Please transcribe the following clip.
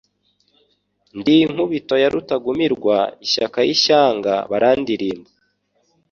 Ndi inkubito ya Rutagumirwa n' ishyakaIshyanga barandirimba.